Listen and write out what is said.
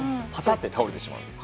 ッて倒れてしまうんです。